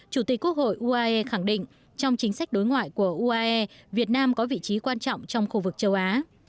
chủ tịch quốc hội uae khẳng định trong chính sách đối ngoại của uae việt nam có vị trí quan trọng trong khu vực châu á